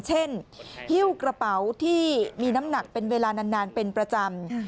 ฮิ้วกระเป๋าที่มีน้ำหนักเป็นเวลานานเป็นประจำ